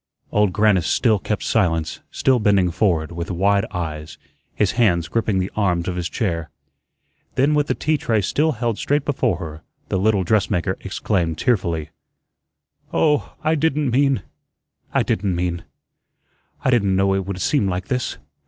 Old Grannis still kept silence, still bending forward, with wide eyes, his hands gripping the arms of his chair. Then with the tea tray still held straight before her, the little dressmaker exclaimed tearfully: "Oh, I didn't mean I didn't mean I didn't know it would seem like this.